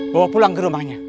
bawa pulang ke rumahnya